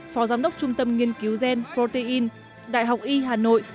phó giám đốc trung tâm nghiên cứu gen protein đại học y hà nội